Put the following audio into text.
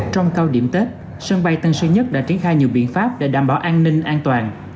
trong cao điểm tết sân bay tân sơn nhất đã triển khai nhiều biện pháp để đảm bảo an ninh an toàn